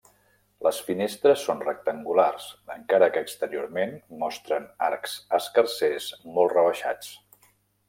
Les finestres són rectangulars, encara que exteriorment mostren arcs escarsers molt rebaixats.